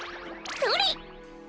それ！